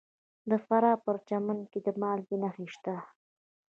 د فراه په پرچمن کې د مالګې نښې شته.